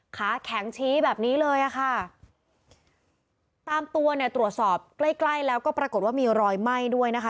ขาแข็งชี้แบบนี้เลยอ่ะค่ะตามตัวเนี่ยตรวจสอบใกล้ใกล้แล้วก็ปรากฏว่ามีรอยไหม้ด้วยนะคะ